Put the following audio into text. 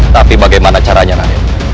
tapi bagaimana caranya adek